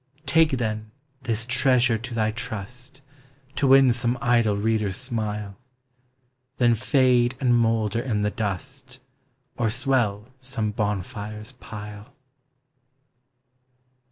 Take, then, this treasure to thy trust, To win some idle reader's smile, Then fade and moulder in the dust, Or swell some bonfire's pile.